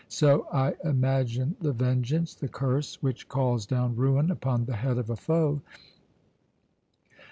So I imagine the vengeance, the curse which calls down ruin upon the head of a foe.